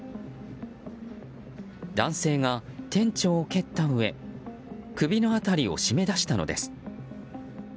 男性が店長を蹴ったうえ首の辺りを絞め出したのです。